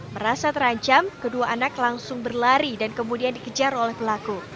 merasa terancam kedua anak langsung berlari dan kemudian dikejar oleh pelaku